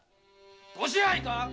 ご支配か？